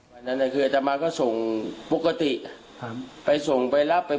อันนั้นคืออัตมาก็ส่งปกติครับไปส่งไปรับไป